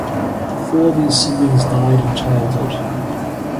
Four of his siblings died in childhood.